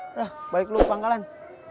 udah balik lo ke pangkalan